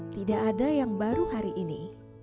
tidak ada yang baru hari ini